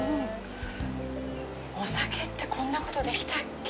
お酒ってこんなことできたっけ？